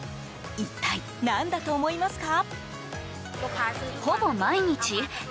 一体、何だと思いますか？